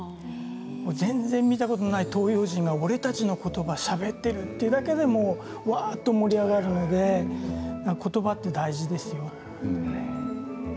全然、見たことがない東洋人が俺たちの言葉をしゃべっているというだけでも盛り上がるので言葉って大事ですよって。